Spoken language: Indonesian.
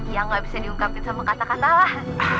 ya gak bisa diungkapin sama kata katalah